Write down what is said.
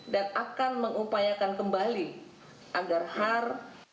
dan akan mengupayakan kembali agar har